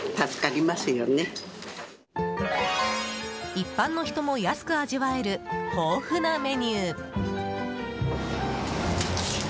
一般の人も安く味わえる豊富なメニュー！